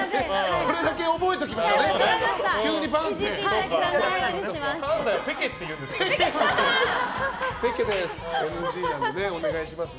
それだけ覚えときましょうね。